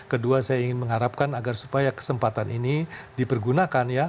kedua saya ingin mengharapkan agar supaya kesempatan ini dipergunakan ya